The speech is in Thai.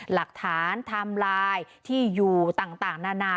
หลักฐานทำลายที่อยู่ต่างนานา